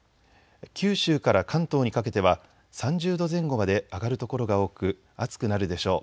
九州から関東にかけては３０度前後まで上がる所が多く暑くなるでしょう。